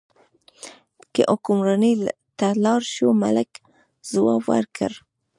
که حکمرانۍ ته لاړ شو، ملک ځواب ورکړ.